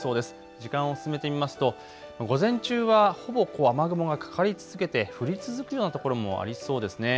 時間を進めてみますと午前中はほぼ雨雲がかかり続けて降り続くような所もありそうです。